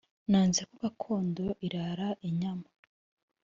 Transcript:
Nanze ko Gakondo irara inyama